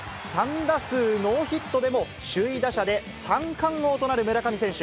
３打数ノーヒットでも首位打者で三冠王となる村上選手。